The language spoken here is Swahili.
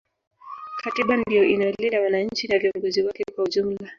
katiba ndiyo inayolinda wananchi na viongozi wake kwa ujumla